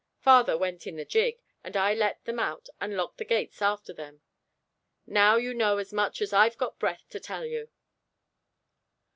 Father went in the gig, and I let them out and locked the gates after them. Now you know as much as I've got breath to tell you."